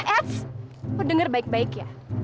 eits lo denger baik baik ya